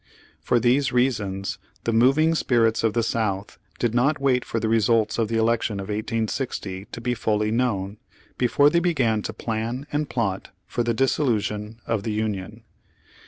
For these reasons the moving spirits of the South did not wait for the results of the election of 1860 to be fully known, before they began to plan and plot for the dissolution of the Union.